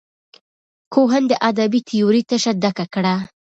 کوهن د ادبي تیورۍ تشه ډکه کړه.